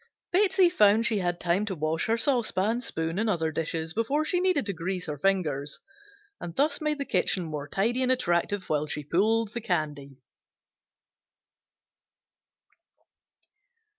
Betsey found she had time to wash her saucepan, spoon and other dishes before she needed to grease her fingers, and thus made the kitchen more tidy and attractive while she pulled the candy.